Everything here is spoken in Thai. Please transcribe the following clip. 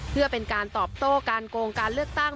เพื่อเป็นการตอบโต้การโกงการเลือกตั้ง